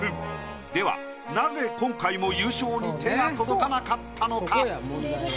ではなぜ今回も優勝に手が届かなかったのか？